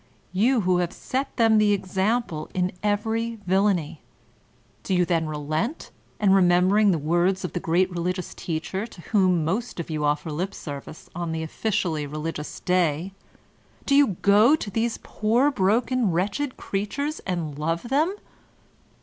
You, who have set them the ex* ample in every vilbiny? Do you then relent, and remembering the words of the great religious teacher to whom most of you offer lip service on the officially religious day, do you go to these poor, broken, wretched creatures and love them?